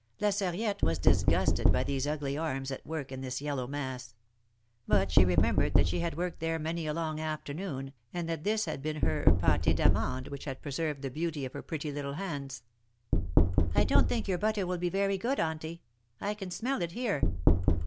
La Sarriette was disgusted by these ugly arms at work in this yellow mass. But she remembered that she had worked there many a long afternoon, and that this liad been her jpdte d^amande which had preserved the beauty of her pretty little hands. I don't think your butter will be very good. Aunty. I can smell it here."